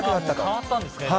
変わったんですか？